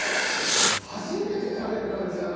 初めて食べる感じだなこれ。